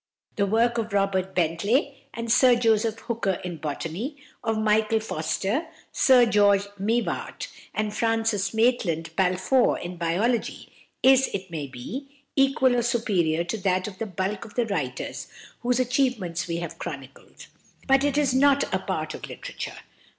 The work of Robert Bentley and Sir Joseph Hooker in botany, of Michael Foster, St George Mivart, and Francis Maitland Balfour in biology, is, it may be, equal or superior to that of the bulk of the writers whose achievements we have chronicled; but it is not a part of literature.